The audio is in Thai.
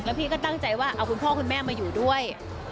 พี่ก็ตั้งใจว่าเอาคุณพ่อคุณแม่มาอยู่ด้วย